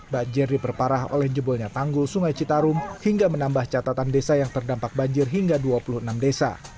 banjir diperparah oleh jebolnya tanggul sungai citarum hingga menambah catatan desa yang terdampak banjir hingga dua puluh enam desa